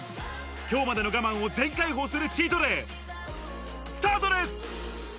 今日までの我慢を全開放するチートデイ、スタートです！